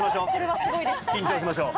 緊張しましょう。